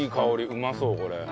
うまそうこれ。